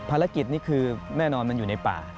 นี่คือแน่นอนมันอยู่ในป่า